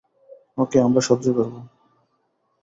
ওকে আমরা সাহায্য করবো?